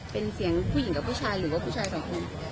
เป็นเสียงผู้หญิงกับผู้ชายหรือว่าผู้ชายสองคน